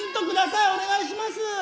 おねがいします！